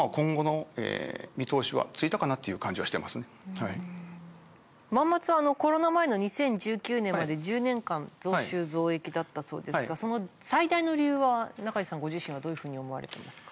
だから当初万松はコロナ前の２０１９年まで１０年間増収増益だったそうですがその最大の理由は中路さんご自身はどういうふうに思われてますか？